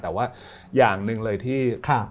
แต่ว่าอย่างหนึ่งเลยที่